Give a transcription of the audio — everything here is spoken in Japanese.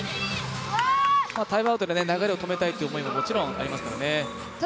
タイムアウトで流れを止めたいという思いももちろんありますからね。